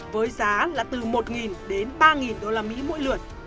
với giá là từ một đến ba đô la mỹ mỗi lượt